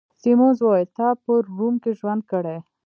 سیمونز وویل: تا په روم کي ژوند کړی؟